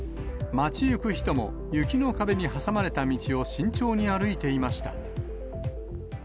街行く人も雪の壁に挟まれた道を慎重に歩いていました。